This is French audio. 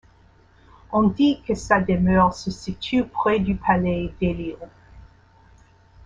On dit que sa demeure se situe près du palais d'Hélios.